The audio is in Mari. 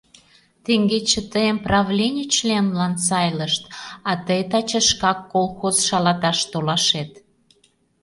Теҥгече тыйым правлений членлан сайлышт, а тый таче шкак колхоз шалаташ толашет.